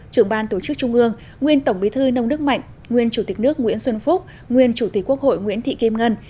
trưởng ban tổ chức trung ương nguyên tổng bí thư nông đức mạnh nguyên chủ tịch nước nguyễn xuân phúc nguyên chủ tịch quốc hội nguyễn thị kim ngân